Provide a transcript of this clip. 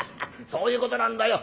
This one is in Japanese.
そういうことなんだよ。